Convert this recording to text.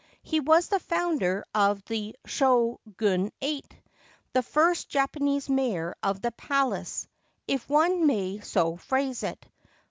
He was the founder of the Shogunate — the first Japanese Mayor of the Palace, if one may so phrase it.